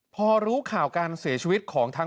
พอรู้ข่าวการเสียชีวิตของทาง